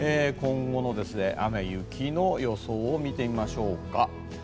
今後の雨雪の予想を見てみましょう。